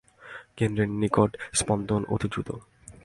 কেন্দ্রের নিকট স্পন্দন অতি দ্রুত।